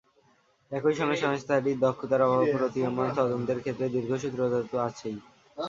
একই সঙ্গে সংস্থাটির দক্ষতার অভাবও প্রতীয়মান, তদন্তের ক্ষেত্রে দীর্ঘসূত্রতা তো আছেই।